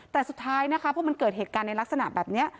แต่สุดท้ายนะคะพอมันเกิดเหตุการณ์ในลักษณะแบบนี้